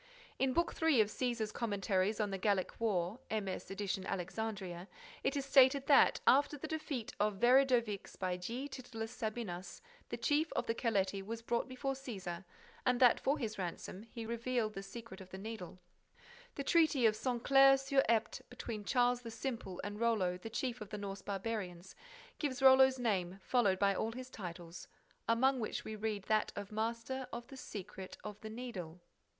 In Book III of Cæsar's Commentaries on the Gallic War (MS. edition, Alexandria), it is stated that, after the defeat of Veridovix by G. Titullius Sabinus, the chief of the Caleti was brought before Cæsar and that, for his ransom, he revealed the secret of the Needle— The Treaty of Saint Clair sur Epte, between Charles the Simple and Rollo, the chief of the Norse barbarians, gives Rollo's name followed by all his titles, among which we read that of Master of the Secret of the Needle.